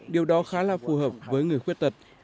điều đó khá là phù hợp với người khuyết tật